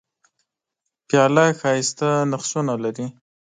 پیاله ښايسته نقشونه لري.